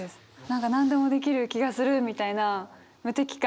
何かなんでもできる気がするみたいな無敵感。